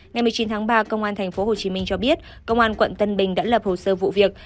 ngày một mươi chín tháng ba công an tp hcm cho biết công an quận tân bình đã lập hồ sơ vụ việc